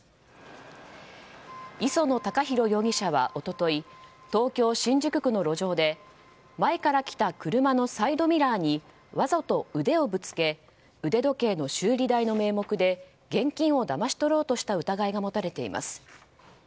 磯野貴博容疑者は一昨日東京・新宿区の路上で前から来た車のサイドミラーにわざと腕をぶつけ腕時計の修理代の名目で現金をだまし取ろうとしていた疑いが持たれています。